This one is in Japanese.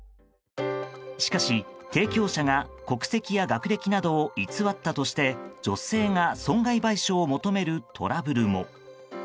しかし、提供者が国籍や学歴などを偽ったとして女性が損害賠償を求めるトラブルも。